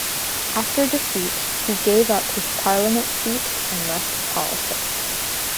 After defeat he gave up his parliament seat and left politics.